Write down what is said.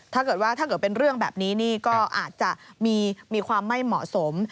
ถ้าเกิดว่าถ้าเกิดเป็นเรื่องแบบนี้ก็อาจจะมีความไม่เหมาะสม